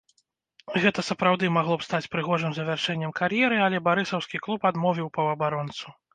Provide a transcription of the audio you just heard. Гэта сапраўды магло б стаць прыгожым завяршэннем кар'еры, але барысаўскі клуб адмовіў паўабаронцу.